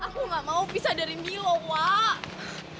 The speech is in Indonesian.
aku gak mau pisah dari milo pak